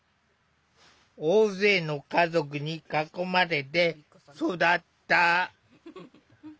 大勢の家族に囲まれて育った。